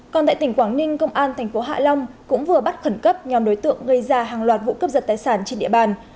còn tại tỉnh quảng ninh công an thành phố hạ long cũng vừa bắt khẩn cấp nhóm đối tượng gây ra hàng loạt vụ cướp giật tài sản trên địa bàn